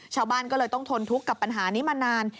ชาวบ้านก็เลยต้องทนทุกข์กับปัญหานี้มานาน